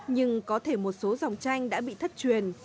nhưng có thể một số dòng tranh đã bị thất truyền